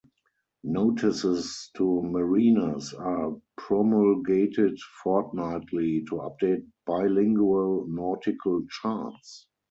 Notices to Mariners are promulgated fortnightly to update bilingual nautical charts.